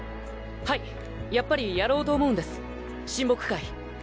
はいやっぱりやろうと思うんです親睦会。